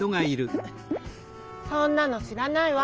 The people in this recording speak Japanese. そんなのしらないわ！